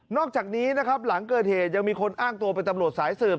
อกจากนี้นะครับหลังเกิดเหตุยังมีคนอ้างตัวเป็นตำรวจสายสืบ